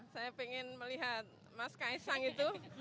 saya ingin melihat mas kaisang itu